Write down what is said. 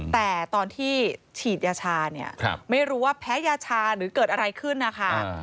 แต่ตอนที่ฉีดยาชาเนี่ยไม่รู้ว่าแพ้ยาชาหรือเกิดอะไรขึ้นนะคะ